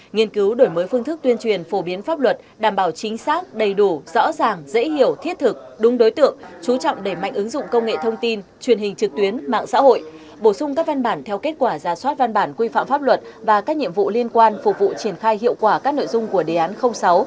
nghiên cứu đổi mới phương thức tuyên truyền phổ biến pháp luật đảm bảo chính xác đầy đủ rõ ràng dễ hiểu thiết thực đúng đối tượng chú trọng đẩy mạnh ứng dụng công nghệ thông tin truyền hình trực tuyến mạng xã hội bổ sung các văn bản theo kết quả giả soát văn bản quy phạm pháp luật và các nhiệm vụ liên quan phục vụ triển khai hiệu quả các nội dung của đề án sáu